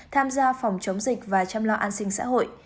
tham gia phòng chống dịch và chăm lo an sinh xã hội